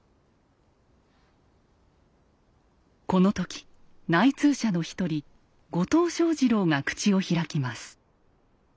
この時内通者の１人後藤象二郎が口を開きます。